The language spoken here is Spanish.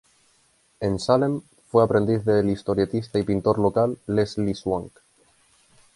En Salem, fue aprendiz del historietista y pintor local, Leslie Swank.